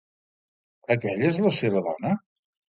—Aquella és la seva dona?